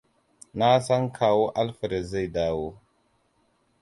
Na san Kawu Alfred zai dawo.